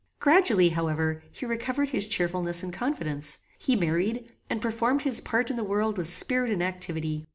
Gradually, however, he recovered his cheerfulness and confidence. He married, and performed his part in the world with spirit and activity.